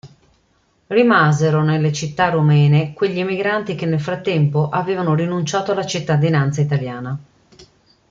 Rimasero nelle città romene quegli emigranti che nel frattempo avevano rinunciato alla cittadinanza italiana.